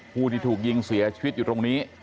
ผู้ที่ถูกยิงเสียชีวิตอยู่ตรงนี้